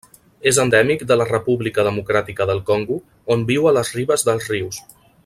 És endèmic de la República Democràtica del Congo, on viu a les ribes dels rius.